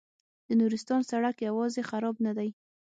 د نورستان سړک یوازې خراب نه دی.